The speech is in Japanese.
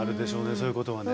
そういうことはね。